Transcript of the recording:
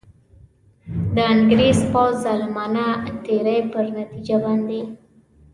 د انګرېز پوځ ظالمانه تېري پر نتیجه باندي.